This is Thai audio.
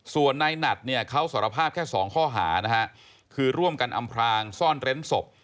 ส่วนในหนัดเนี่ยเขาสารภาพแค่สองข้อหานะฮะคือร่วมกันอำพลางซ่อนเร้นศพ